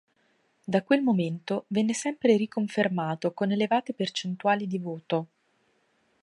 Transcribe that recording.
Da quel momento venne sempre riconfermato con elevate percentuali di voto.